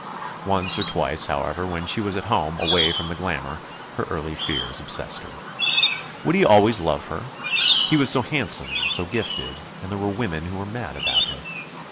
Once or twice, however, when she was at home, away from the glamour, her early fears obsessed her. Would he always love her? He was so handsome and so gifted, and there were women who were mad about him.